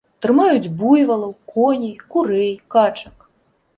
Трымаюць буйвалаў, коней, курэй, качак.